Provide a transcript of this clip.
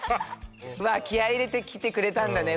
気合入れてきてくれたんだね。